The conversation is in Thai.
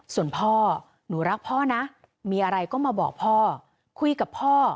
ส่วนพ่อหนูรักพ่อนะมีอะไรก็มาบอกพ่อคุยกับพ่อ